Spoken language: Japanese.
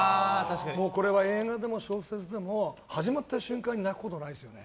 これは映画でも小説でも始まった瞬間に泣くことはないですよね。